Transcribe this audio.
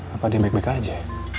apa di bekbek aja